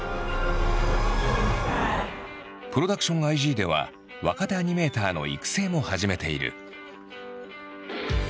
ＰｒｏｄｕｃｔｉｏｎＩ．Ｇでは若手アニメーターの育成も始めている。